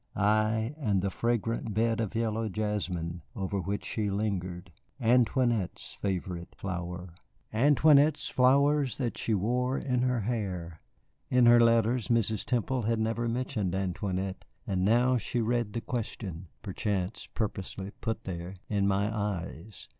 Ay, and the fragrant bed of yellow jasmine over which she lingered, Antoinette's favorite flower. Antoinette's flowers that she wore in her hair! In her letters Mrs. Temple had never mentioned Antoinette, and now she read the question (perchance purposely put there) in my eyes.